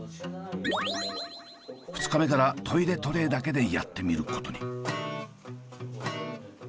２日目からトイレトレーだけでやってみることに。